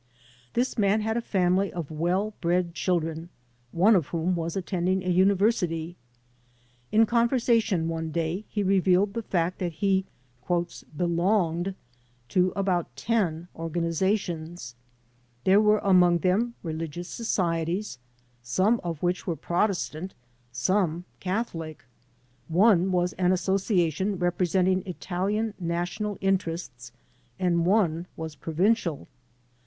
This man had a family of well bred children, one of whom was attending a university. In conversa 50 CONNECTED WITH PROSCRIBED ORGANIZATIONS 51 tion one day he revealed the fact that he "belonged" to about ten organizations. There were among them re ligious societies, some of which were Protestant, some Catholic. One was an association representing Italian national interests, and one was provincial.